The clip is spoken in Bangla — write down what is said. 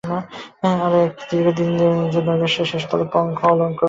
আরো একটা দীর্ঘ দিন নৈরাশ্যের শেষতলের পঙ্ক আলোড়ন করিয়া তুলিবার মেয়াদ বাড়িল।